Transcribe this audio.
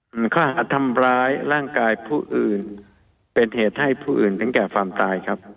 มันข้อหาทำร้ายร่างกายผู้อื่นเป็นเหตุให้ผู้อื่นถึงแก่ความตายครับ